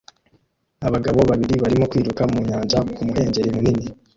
Abagabo babiri barimo kwiruka mu nyanja ku muhengeri munini